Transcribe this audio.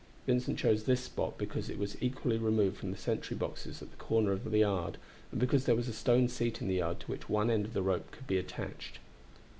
Vincent chose this spot because it was equally removed from the sentry boxes at the corners of the yard, and because there was a stone seat in the yard to which one end of the rope could be attached.